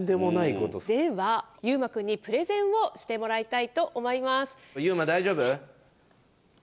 ではゆうまくんにプレゼンをしてもらいたいと思います。